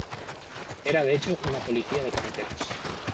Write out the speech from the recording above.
Era de hecho una policía de carreteras.